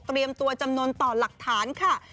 เตรียมตัวจำนวนต่อหลักฐานค่ะ